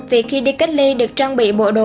vì khi đi cách ly được trang bị bộ đồ